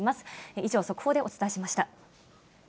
以上、速報でお伝えしました。